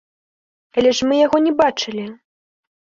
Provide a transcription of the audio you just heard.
Але ж мы яго не бачылі!